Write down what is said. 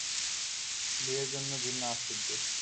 বিয়ের জন্য জিম নাচ শিখবে।